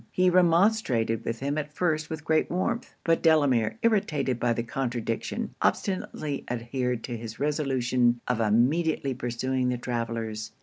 He remonstrated with him at first with great warmth; but Delamere, irritated by contradiction, obstinately adhered to his resolution of immediately pursuing the travellers.